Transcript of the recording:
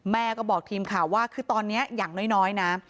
แม่ก็บอกทีมข่าวว่าคือตอนนี้อย่างน้อยนะ